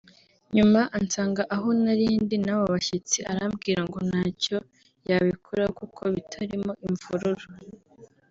nyuma ansanga aho nari ndi n’abo bashyitsi arambwira ngo ntacyo yabikoraho kuko bitarimo imvururu